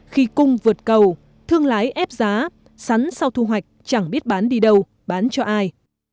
khi cung vượt cầu thương lái ép giá sắn sau thu hoạch chẳng biết bán đi đâu bán cho ai